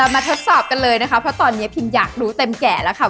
มาทดสอบกันเลยนะคะเพราะตอนนี้พิมอยากรู้เต็มแก่แล้วค่ะ